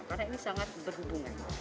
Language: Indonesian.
karena ini sangat berhubungan